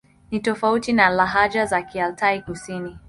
Ni tofauti na lahaja za Kialtai-Kusini.